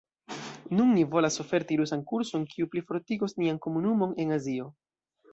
Nun ni volas oferti rusan kurson, kiu plifortigos nian komunumon en Azio.